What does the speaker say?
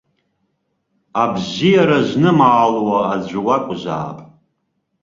Абзиара знымаало аӡәы уакәзаап!